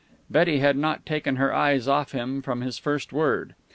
Betty had not taken her eyes off him from his first word.